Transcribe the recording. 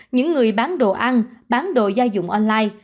những người bán đồ ăn bán đồ gia dụng online